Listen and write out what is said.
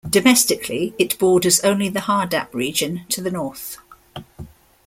Domestically, it borders only the Hardap Region, to the north.